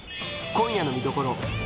今夜の見どころ。